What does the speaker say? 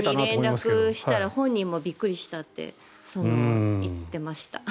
本人に連絡したら本人もびっくりしたって言っていました。